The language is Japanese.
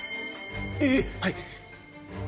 ええはい。